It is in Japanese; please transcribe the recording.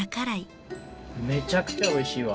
めちゃくちゃおいしいわ。